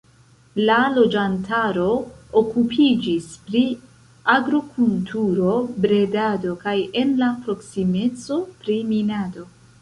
La loĝantaro okupiĝis pri agrokulturo, bredado kaj en la proksimeco pri minado.